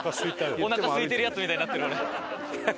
おなかすいてるヤツみたいになってる俺。